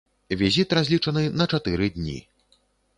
Візіт разлічаны на чатыры дні.